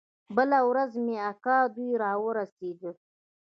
بله ورځ مې اکا دوى راورسېدل.